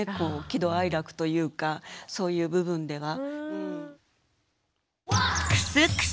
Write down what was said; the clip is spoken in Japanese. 喜怒哀楽というかそういう部分では。